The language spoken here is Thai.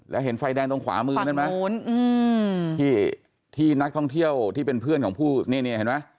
แล้วเห็นไฟแดงตรงขวามือนั่นไหมที่นักท่องเที่ยวที่เป็นเพื่อนของผู้นี่เนี่ยเห็นไหม